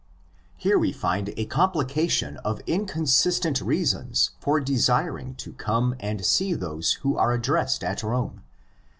Here we find a complication of inconsistent reasons for desiring to come and see those who are addressed at Rome.